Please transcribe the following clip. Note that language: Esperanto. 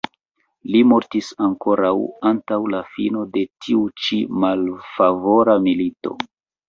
Li mortis ankoraŭ antaŭ la fino de tiu ĉi malfavora milito.